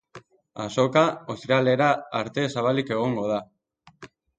Azoka ostiralera arte zabalik egongo da.